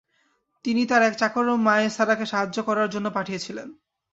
তিনি তার এক চাকর মায়সারাকে সাহায্য করার জন্য পাঠিয়েছিলেন।